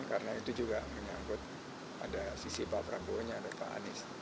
karena itu juga menyangkut pada sisi pak prabowo dan pak anies